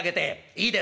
『いいです』？